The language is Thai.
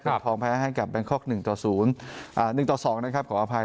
เมืองทองแพ้ให้กับแบงคอร์ก๑๒ขออภัย